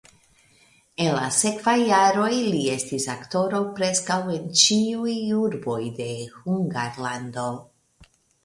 En la sekvaj jaroj li estis aktoro preskaŭ en ĉiuj urboj de Hungarlando.